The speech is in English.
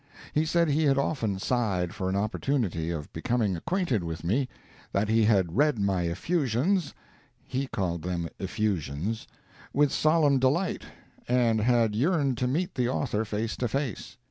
He said he had often sighed for an opportunity of becoming acquainted with me—that he had read my effusions (he called them "effusions,") with solemn delight, and had yearned to meet the author face to face.